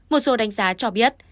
một số đánh giá cho biết